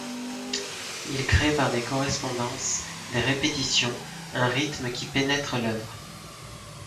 Il crée par des correspondances, des répétitions, un rythme qui pénètre l'œuvre.